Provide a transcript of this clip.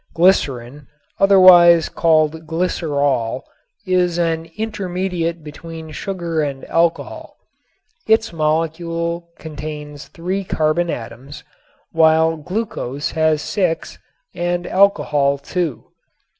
Glycerin, otherwise called glycerol, is intermediate between sugar and alcohol. Its molecule contains three carbon atoms, while glucose has six and alcohol two.